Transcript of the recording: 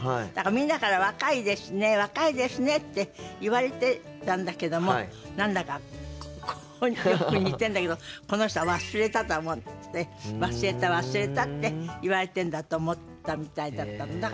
みんなから「若いですね若いですね」って言われてたんだけども何だかよく似てるんだけどこの人は「忘れた」と思って「忘れた忘れた」って言われてるんだと思ったみたいだったの。